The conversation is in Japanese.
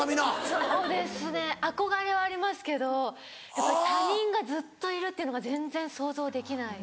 そうですね憧れはありますけどやっぱり他人がずっといるっていうのが全然想像できない。